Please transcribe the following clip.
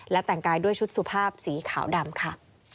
และแต่งกายด้วยชุดสุภาพสีขาวดำค่ะ